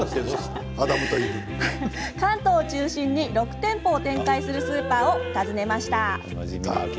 関東を中心に６店舗を展開するスーパーを訪ねました。